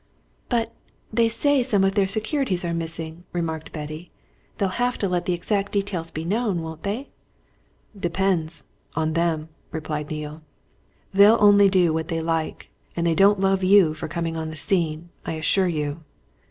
"But they say some of their securities are missing," remarked Betty. "They'll have to let the exact details be known, won't they?" "Depends on them," replied Neale. "They'll only do what they like. And they don't love you for coming on the scene, I assure you!"